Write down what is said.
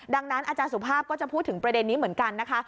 ดังนั้นอาจารย์สุภาพก็จะพูดถึงประเด็นนี้เหมือนกันนะคะ